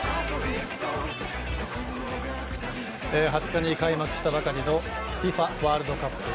２０日に開幕したばかりのＦＩＦＡワールドカップ